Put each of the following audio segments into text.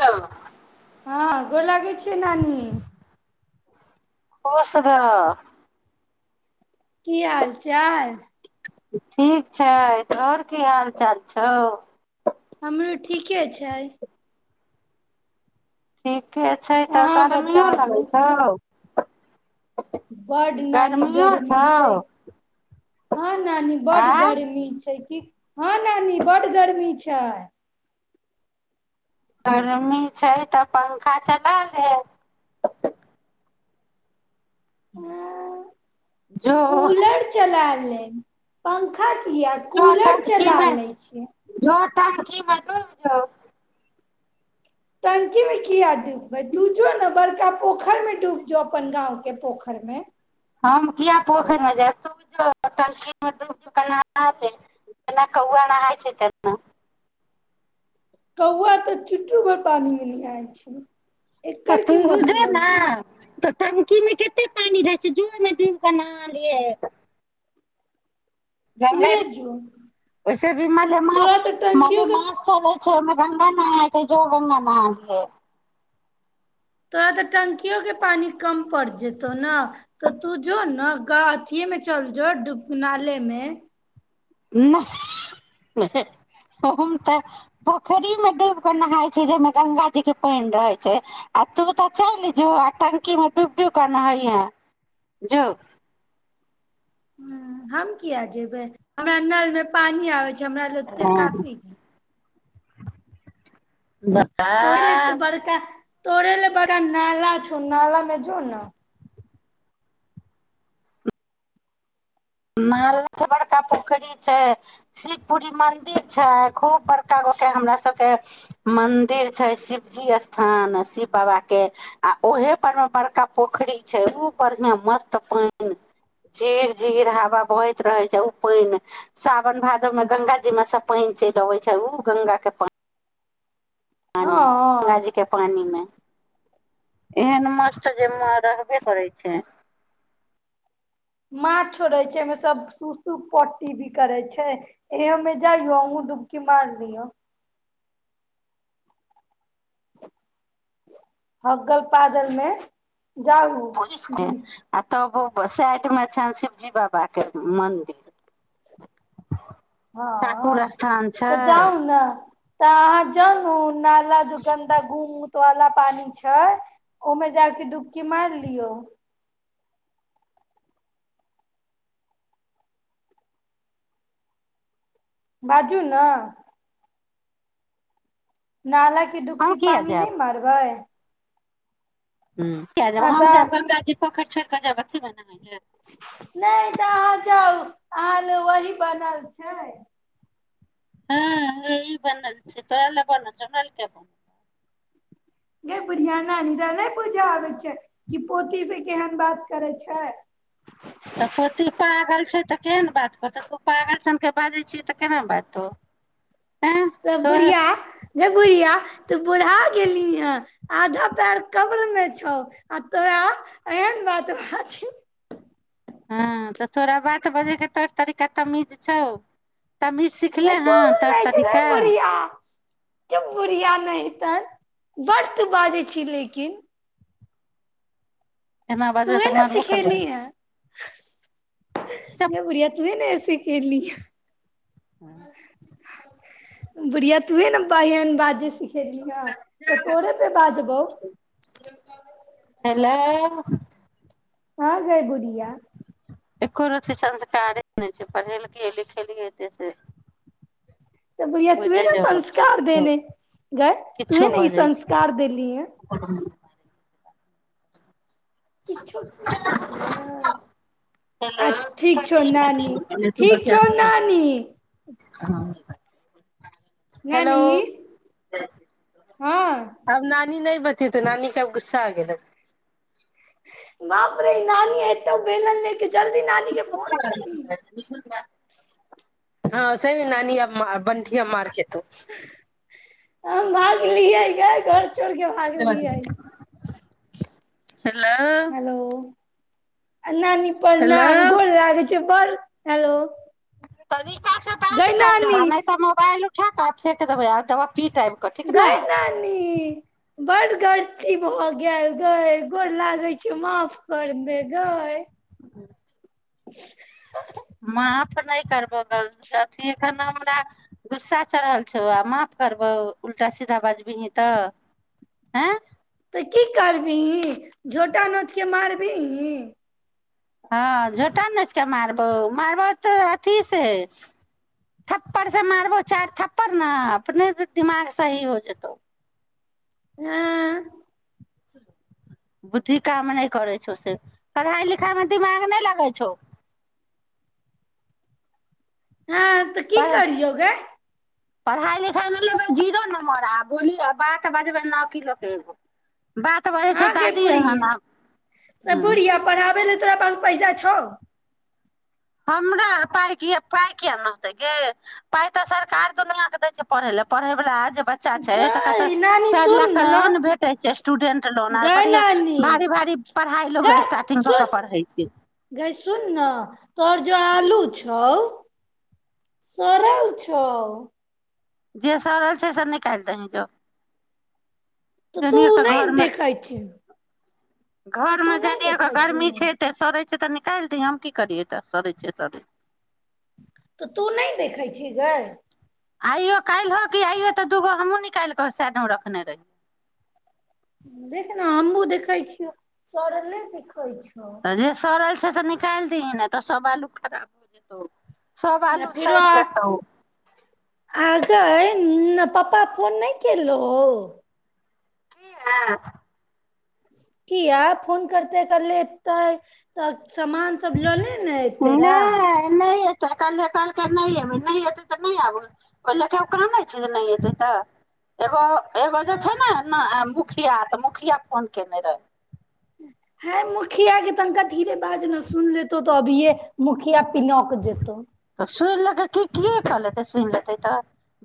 हाँ हँ अ गोर लगै छियै नानी खुश रह की हाल चाल ठीक छै तोहर की हाल चाल छौ हमरो ठीके छै ठीके छै तऽ अहाँ गर्मियो बताबू लगैत छौ बड नानी गर्मियो गर्मी छौ छै हँ नानी बड आँ गर्मी छै क हँ नानी बड गर्मी छै गर्मी छै तऽ पंखा चला ले जौहु कूलर चला लेब पंखा या कूलर चला लै छै की म जाउ टंकी मे किया डूबबै तू जो ने बड़का पोखरि मे डूब जो अपन गाँंव के पोखरि मे हम किए पोखरिमे जायब तूो टकीमे दू न जेना कौआ नहााय छै तेतना कौआ तऽ चुट्टू पर पानी मे नहि आय छै तऽ एकर तू की ह जो मतलब छै न टंकी मे कते पानी रहै छै जरमे ज के न लिय ग तुए जो ओैसे भी तोरा मलेमास तऽ टंकियो के मलेमास चलै ओमे गङंगा नहाइ छै जो गङ्ंगा नहा लिये तोरा तऽ टंकियओके पानि कम पड़ि जेतौ ने तऽ तू जो ने अथिएमे चल जो डब नालेमे नहि हम तऽ पोखरिमे डूबि कऽ नहाइ छी जाहिमे गङ्गाजीके पानि रहै छै आ तू तऽ चलि जो आ टंकीमे डूबि डुबि कऽ नहैहे जो हम किया जेबे हमरा नल मे पानी आब छै हमरा लते काफी है बाह तोरेल बड़ा नला छौ नलामे जो ने नाल बड़का पोखरी छै शिव पुरी मंदिर छै खूब बड़का गके हमरा सबके मंदिर छै शिवजी स्थान शिव बाबा के आ ओहे पर मे बड़का पोखरी छै ऊब बढ़िियां मस्त पानि झिर झिर हवा बहैत रहै छै ओ पानि साावन भादो में गंगा जीमे सब पानि चलि अबै छै ओ गंगा के पानि हँ पानि गगाजी के पानि मे एहन मासटर जे म रहबे करै छै मान्छ छोड़ै छै एहिमे सब सुू सुूख पट्टी भी करै छै एमे जाइयो अूँ डुबकी मार लियौ होगल पादलमे पुलसके आ तऽ अबो साइड मे छनि शिवजी बाबा के मंदिर ठाकुर हँ स्थान छै तऽ जाउ ने तऽ अहाँ जानून नाला दुगन्धा घूम उऊत वाला पानी छै ओहिमे जााकऽ डुबकी मारि लियौ बाजू ने नाला क अहूँ इ किया पानी जायब नहि मारबै हम किया जायब आ हम तऽ जायब गंगाजी पोखेर मे छौड़ कें जायब लए नहि तऽ अहाँ जाउ अहाँ ल वही बनल छै हँ यह बनल छै तोरा ल बनल छ नलके बन गे बढ़ियाना निधर नहि पूजा आबै छै कि पोथ से केहन बात करे छै तऽ पोती पर पागल छै तऽ केन बात करत तू पपा बाजै छियै तऽ केना बाजतौ एँ तब तोहर बुढ़िया जेे बुढ़िया तू बुढ़ा गेली हे आधा पैर कब्र में छौ आ तोरा एहन बात भा छै हँ तऽ तोरा बात बजेके तोर तरीका तमीज छौ तमीज गाय सिखले हँ तोर तौर रहय छै तरीका गाय बढ़िया गे बुढ़िया नहितन बड्ड तू बाजै छी लेकिन एना बजबै तुहें तऽ ने मारबो करबै सिखेली हन चुप गे बढ़िया तुहें ने सिखेलहि [unintelligible] बुढ़िया तूहे ने बाहियान बाजे सिख खेलिहन तऽ तोरे पे बाजबौ हेलो हँ गै बुढ़िया एको रति संस्कारे नहि छै पढ़ेलकै लिखेलियै एतेसे तऽ बुढ़िया तूहे ने संस्कार देनेे गए तुहे किछो ने ई बजै छै संस्कार देेली हन किछो कियै बाजबै आ ठीक छौ नानी हेलो ठीक छौ नानी ह हेलो नानी हँ हम ना नानी नहि बतियेतो नानी के अब गुस्सा आ गेलो बाप रे नानी एतो बेलन ले के जल्दी नानी के फोन दिहिन हँ सहि मे नानी अब बंठी अब मार खेतौ हम भागलियैे गे घर छोर के भागलियै हेलो आ नानी हेलो प्रणाम गोर लागै छियौ पर हेलो तरीका से बात गै नानी कर नहि तऽ मोबाइल उठय के आ फेेक देबै आब गै नानी बड्ड गलती भऽ गेल गै गोर लागे छियौ माफ कर दे गै [inaudible] [unintelligible] माफ नहि करबौ गल अथी एखन हमरा गुस्सा चढ़ल छौ आ माफ करबौ उल्टा सीधा बाजबिही तऽ ह तऽ की करबिही झोटा नोचके मारबिही हँ झोटा नोचि कऽ मारबौ मारबौ तऽ अथीसे थप्पड़से मारबौ चार थप्पड़ ने अपने दिमाग सही हो जेतौ ऐं बुद्धि काम नहि करै छौ से पढ़ाइ लिखाइमे दिमाग नहि लगै छौ हँ तऽ की पढ़ करियौ गे पढ़ाइ लिखाइमे लेबै जीरो नम्बर आ बोली बात बजबै न की लोक एगो बात बजै हँ छै ग दादी बूढ़िया एहन आ सब हूँ बूढढ़िया पढ़ाबे ल तोरा पास पैसा छ हमरा पाइ किए पाइ कियाक न होतै गे पाइ तऽ सरकार दुनिआँके दै छै पढ़ै लए पढ़यवला जे बच्चा छै तऽ कहतऽ गै नानी चारि सुन लाखके ने लोन भेटै छै स्टूडेंट लोन आर गै बढ़िआँ नानी भारी भारी पढ़ाइ गै लोको स्टार्टिंग कऽ कऽ सुन पढ़ै छै गै सुन ने तोर जो आलू छौ सरल छौ जे स रहल छै सर निकालि देही जो तऽ तू जनि नहि घरमे देखै छी तऽ घर तू मे नहि जनिएके देखै छी गर्मी छै तऽ सड़ै से तऽ निकालि दिहीं हम की करियै तऽ सरैय छै त तऽ तू नहि देखैत छ गे आइयो काल्हिहो कि आइयौ तऽ दूगो हमहूँ निकालि कऽ साइडमे रखने रहियै देख ने हमू देखैत छिय सड़लेै छ हँ त जे सरल छै से त निकाल दही ने तऽ सब आलु खराब भ जेतौ सब आ आलू फेरो सइर जेतौ क पप्पा फोन नहि केन होउ हाँ किया फोन करतेै कल ले ए त ह तऽ सामान सब लऽ ले ने एयतेरा तऽ कहलै कहलकै नहि अबी नहि एतै तऽ नहि आब ओल कान छै त नहि एतै तऽ एगो एगो जे छै ने मुखिया क क्रिया कोन केने रह है मुखिया के तनिका धीरे बाज ने सुन लेतो तऽ अभिये मुखिया पिनक जेतौ सुनले क की कि कहलतै सुन लेत तऽ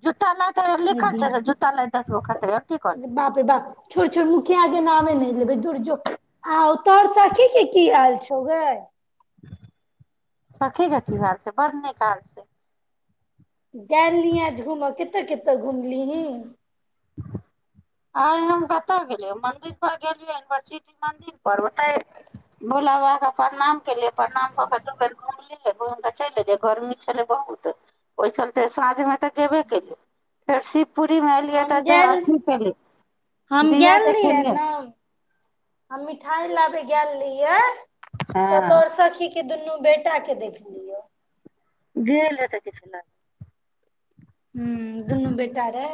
जूतताा लाे लिखल छै जूता ला दगो खतै आर की बाप रे बाप करलै छोड़ मुखियाके नामे नहि लेबै दुरजोग आ तोर साखी के की हाल छौ गे सखी की हाल छै बढ़ नीक हाल छै गेयल रिहाँ घुम आज घुमऽ कते कते घुमली ही [inaudible] आइ हम कतय गेलियै मन्दिरपर गेलियै यूनिवर्सिटी मन्दिर परर ओतहि भोला बाबाकेँ प्रणाम केलियै प्रणाम कऽ कऽ दू बेर घुमलियै घुमि कऽ चलि एलियै गरमी छलै बहुत ओहि चलते साँझमे तऽ गेबे केलियै फेर शिव पूरी मेलए हम तऽ ज गेल अथी [inaudible] हम दिया गेल रहियै देखलियै ने हम मिठाइ लाबे गेल रहिए तऽ हँ तोहर सखी के दुनू बेटा के देखलियौ द रहत कि ह दुनू बेटा रह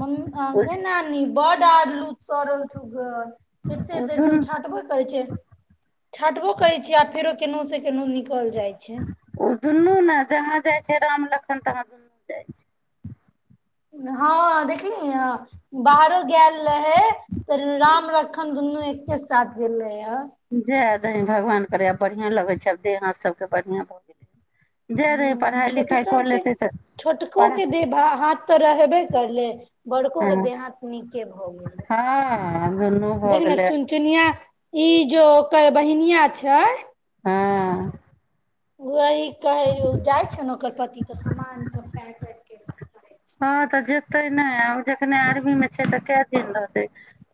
म ग नानी बड आरलू सड़ल छौ घर कते ओ देर सँ दुनू हम छाँटबे करै छियै, छाँटबो करै छियै, आ फेरो कोनो-से-कोनो। ओज ने जह जाइ छै राम लखन तहा दुनू जाइ छै। हँ देखली बाहरो गेल रहेे तऽ राम रखन दुनू एकके साथ गेल रहे हे जय भगवान करथि, आब बढ़िआँ लगै छै। आब देह-हाथ सभ बढ़िआँ भऽ गेल छै। हँ, छोटकाकेँ पढ़ा छोटकोकेँ दऽ दे। भऽ हाथ। तऽ रहबे करले बड़कोकेँ हँ देह-हाथ नीके भऽ गेल। हँ, दुनू भऽ देख ने, गेलै चुन-चुनिया। इ जो ओकर बहिनिया छै हँ गह कहे जाइ छ ने ओकर पति सामान सब पैक वैक हँ त जे तेँ नहि। आ जखने आर्मीमे छै, तऽ किछु दिन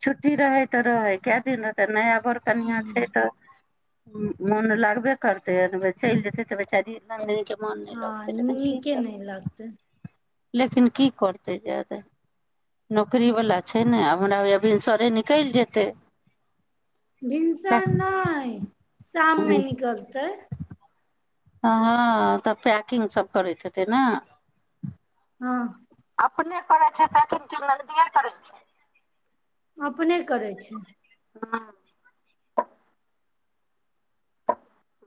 छुट्टी रहैत छै। तेँ किछु दिन रहि फेर नया। बड़ कनआ छै तऽ मोन लागबे करतै। चलि जेतै तऽ बेचारीकेँ। हँ नीके नहि लागतै लेकिन की करतै जादाे नौकरीवला छै ने। आब हमरा आब एहिसँ निकलि जेतै। भिनसर नहि शाममे निकलतै हँ तऽ पैकिंगसभ करैत हेतै ने हँ अपने करै छै। पैकिंगकेँ नन्दिये करै छै। अपने करै छै हँ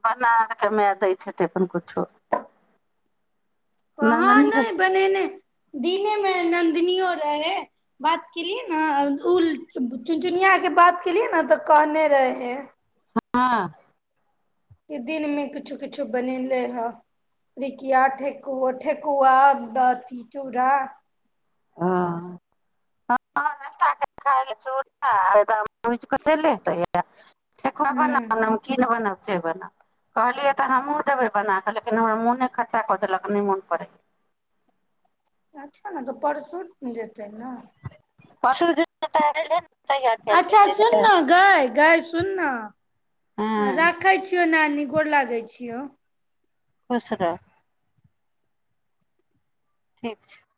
बनारकेमे दैत छथि तैँ अपन किछुओ। हँ नहि बने ने दीनेमे नन्दनियो रहै। बात केलियै ने, ओ चुनचुनियाकेँ बात केलियै ने, तऽ कहने रहै। हँ किछु दिनमे किछु-किछु बनेलै हइ पिरिकिया, ठेकुआ, चूड़ा आदि। ह पोच कऽ देले हेतै, तऽ हूँ बनाब। नमकीनो बनाब। जे बना कहलियै, तऽ हमहूँ बना कऽ देबै। लेकिन हमरा मोन नहि पड़ैए, मोन इकट्ठा कऽ देलक। अच्छा ने तऽ परसू जेतै ने परसु जेतै अच्छा ने। सुनना गे गे सुनना हँ राखै छियौ नानी गोर लागै छियै खुश रह ठीक छै